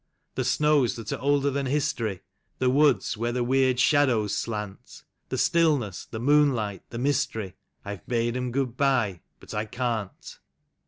The snows that are older than history. The woods where the weird shadows slant; The stillness, the moonlight, the mystery, I've bade 'em good bye — but I can't.